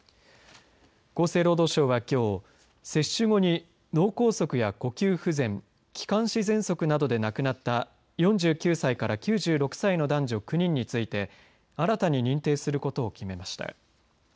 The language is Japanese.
厚生労働省はきょう接種後に脳梗塞や呼吸不全気管支ぜんそくなどで亡くなった４９歳から９６歳の男女９人について新たに認定することを決めました。